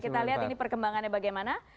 kita lihat ini perkembangannya bagaimana